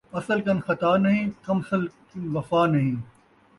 اصل کن خطا نہیں، کمصل کن وفا نہیں